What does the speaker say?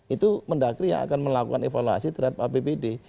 itu mendagri yang akan melakukan evaluasi terhadap apbd